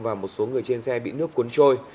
và một số người trên xe bị nước cuốn trôi